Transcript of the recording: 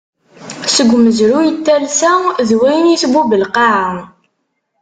Seg umezruy n talsa d wayen i tbub lqaɛa.